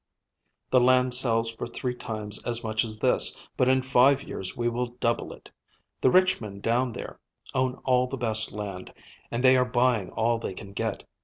The land sells for three times as much as this, but in five years we will double it. The rich men down there own all the best land, and they are buying all they can get.